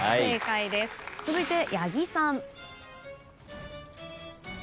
続いて八木さん。